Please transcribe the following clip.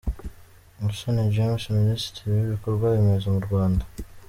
Musoni James, Minisitiri w’Ibikorwaremezo mu Rwanda.